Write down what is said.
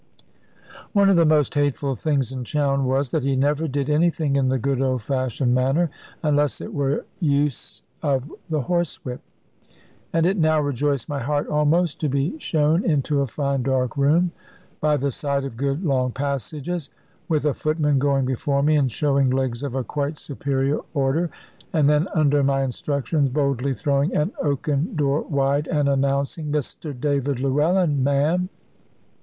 One of the most hateful things in Chowne was, that he never did anything in the good old fashioned manner, unless it were use of the horsewhip. And it now rejoiced my heart almost to be shown into a fine dark room, by the side of good long passages, with a footman going before me, and showing legs of a quite superior order, and then under my instructions boldly throwing an oaken door wide, and announcing, "Mr David Llewellyn, ma'am!"